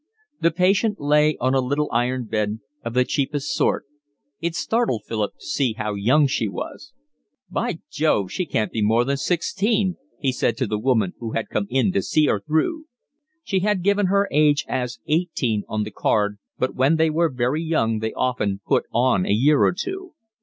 The patient lay on a little iron bed of the cheapest sort. It startled Philip to see how young she was. "By Jove, she can't be more than sixteen," he said to the woman who had come in to 'see her through.' She had given her age as eighteen on the card, but when they were very young they often put on a year or two.